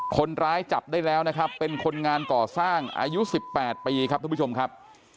คนร้ายจับได้แล้วนะครับเป็นคนงานก่อสร้างอายุ๑๘ปีครับทุกผู้ชมครับ